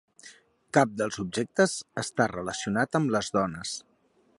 Cap dels objectes està relacionat amb les dones.